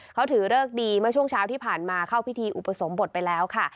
เขาถือเลิกดีเมื่อช่วงเช้าที่ผ่านมาเข้าพิธีอุปสมบทไปแล้วค่ะ